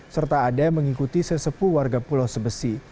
serta ada yang mengikuti sesepuh warga pulau sebesi